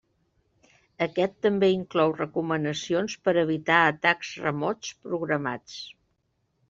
Aquest també inclou recomanacions per evitar atacs remots programats.